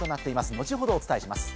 後ほどお伝えします。